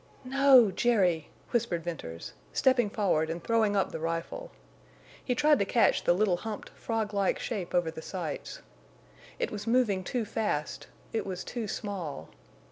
"No—Jerry!" whispered Venters, stepping forward and throwing up the rifle. He tried to catch the little humped, frog like shape over the sights. It was moving too fast; it was too small.